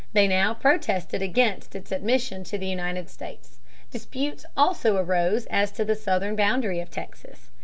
They now protested against its admission to the United States. Disputes also arose as to the southern boundary of Texas.